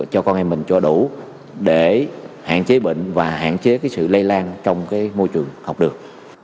cho con em mình cho đủ để hạn chế bệnh và hạn chế cái sự lây lan trong cái môi trường học được